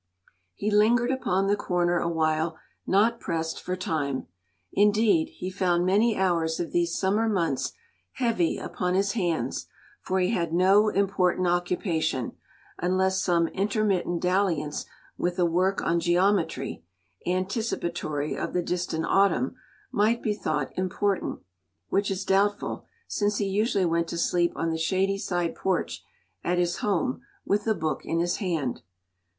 He lingered upon the corner awhile, not pressed for time. Indeed, he found many hours of these summer months heavy upon his hands, for he had no important occupation, unless some intermittent dalliance with a work on geometry (anticipatory of the distant autumn) might be thought important, which is doubtful, since he usually went to sleep on the shady side porch at his home, with the book in his hand.